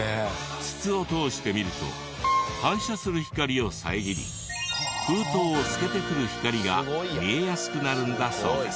筒を通して見ると反射する光を遮り封筒を透けてくる光が見えやすくなるんだそうです。